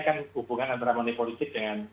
kan hubungan antara manipolitik dengan